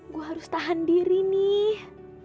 gue harus tahan diri nih